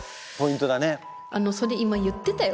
あのそれ今言ってたよ。